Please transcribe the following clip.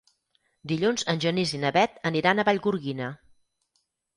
Dilluns en Genís i na Bet aniran a Vallgorguina.